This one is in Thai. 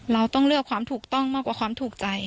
เราต้องเลือกความถูกต้องมากกว่าความถูกใจ